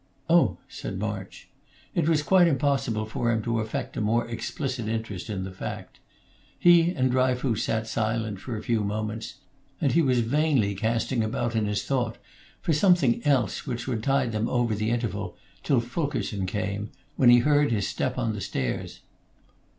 "Oh," said March. It was quite impossible for him to affect a more explicit interest in the fact. He and Dryfoos sat silent for a few moments, and he was vainly casting about in his thought for something else which would tide them over the interval till Fulkerson came, when he heard his step on the stairs.